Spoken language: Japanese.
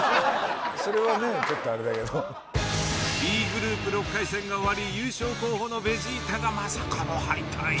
Ｂグループ６回戦が終わり優勝候補のベジータがまさかの敗退。